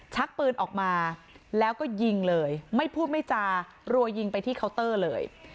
ชักปืนออกมาแล้วก็ยิงเลยไม่พูดไม่จารัวยิงไปที่เคาน์เตอร์เลย